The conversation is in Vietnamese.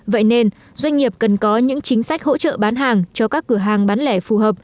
vậy nên doanh nghiệp cần có những chính sách hỗ trợ bán hàng cho các cửa hàng bán lẻ phù hợp